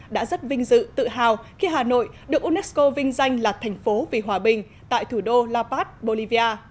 đã rất vinh dự tự hào khi hà nội được unesco vinh danh là thành phố vì hòa bình tại thủ đô la paz bolivia